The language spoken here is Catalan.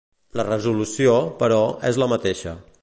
La resolució, però, és la mateixa.